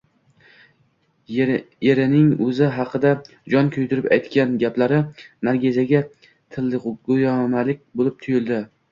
Erining o`zi haqida jon kuydirib aytgan gaplari Naziraga tilyog`lamalik bo`lib tuyuldi